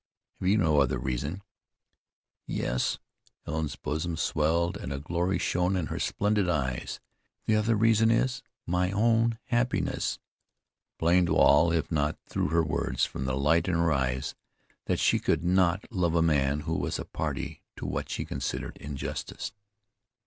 "Have you no other reason?" "Yes." Helen's bosom swelled and a glory shone in her splendid eyes. "The other reason is, my own happiness!" Plain to all, if not through her words, from the light in her eyes, that she could not love a man who was a party to what she considered injustice.